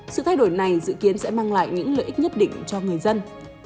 sự thay đổi này dự kiến sẽ mang lại những lợi ích nhất định cho người dân